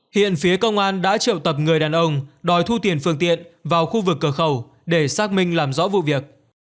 hiện phía công an đã triệu tập người đàn ông đòi thu tiền phương tiện vào khu vực cửa khẩu để xác minh làm rõ vụ việc